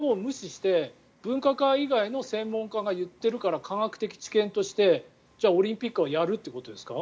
だから、ここだけ無視して分科会以外の専門家が言っているから科学的知見としてじゃあ、オリンピックはやるってことですか？